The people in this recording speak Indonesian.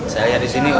saya lihat di sini